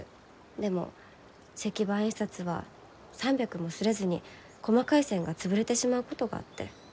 でも石版印刷は３００も刷れずに細かい線が潰れてしまうことがあって。